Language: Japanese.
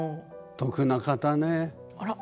得な方ね。